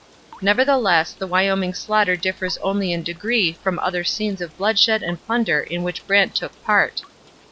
Nevertheless the Wyoming slaughter differs only in degree from other scenes of bloodshed and plunder in which Brant took part.